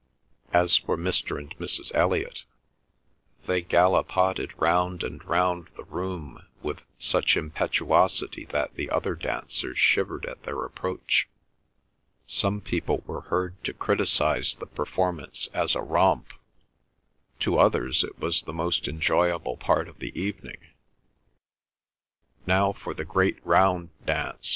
As for Mr. and Mrs. Elliot, they gallopaded round and round the room with such impetuosity that the other dancers shivered at their approach. Some people were heard to criticise the performance as a romp; to others it was the most enjoyable part of the evening. "Now for the great round dance!"